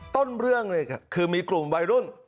ต้นเรื่องเลยคือมีกลุ่มวัยรุ่น